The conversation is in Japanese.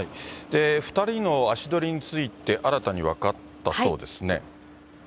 ２人の足取りについて、新たに分かったそうですね。